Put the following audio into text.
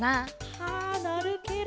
はあなるケロ。